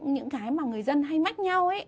những cái mà người dân hay mách nhau ấy